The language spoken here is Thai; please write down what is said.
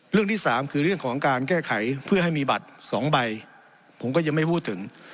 ที่สามคือเรื่องของการแก้ไขเพื่อให้มีบัตรสองใบผมก็ยังไม่พูดถึง